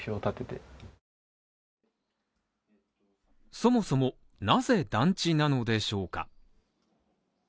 そもそも、なぜ団地なのでしょうか？